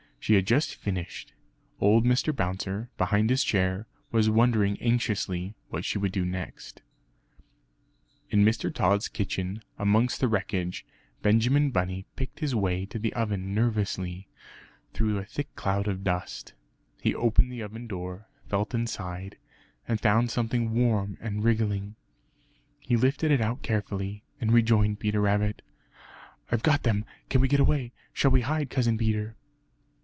She had just finished. Old Mr. Bouncer, behind his chair, was wondering anxiously what she would do next. In Mr. Tod's kitchen, amongst the wreckage, Benjamin Bunny picked his way to the oven nervously, through a thick cloud of dust. He opened the oven door, felt inside, and found something warm and wriggling. He lifted it out carefully, and rejoined Peter Rabbit. "I've got them! Can we get away? Shall we hide, Cousin Peter?"